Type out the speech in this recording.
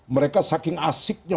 mereka saking asiknya